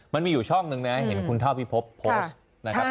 มันมีอยู่ช่องนึงนะครับเห็นคุณเท่าพี่พบโพสต์